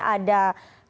ada kang ujang komarudin